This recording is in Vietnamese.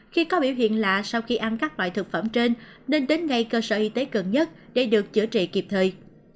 khi có biểu hiện lạ sau khi ăn các loại thực phẩm trên nên đến ngay cơ sở y tế gần nhất để được chữa trị kịp thời